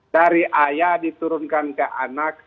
dari ayah diturunkan ke anak